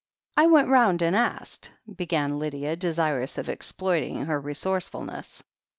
I went round and asked " began Lydia, desir ous of exploiting her resourcefulness.